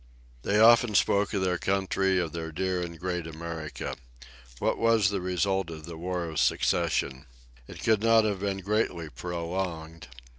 They often spoke of their country, of their dear and great America. What was the result of the War of Secession? It could not have been greatly prolonged.